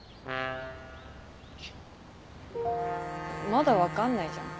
まだ分かんないじゃん。